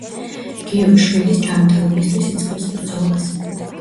გიო შვილის ჯანმრთელობისთვის იწყებს ბრძოლას.